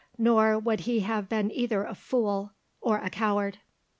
Nor would he have been either a fool or a coward.